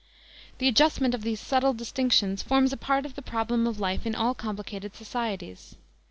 The adjustment of these subtle distinctions forms a part of the problem of life in all complicated societies.